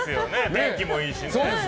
天気もいいしね。